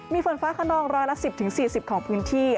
มีฝนฟ้าขนองร้อยละ๑๐๔๐ของพื้นที่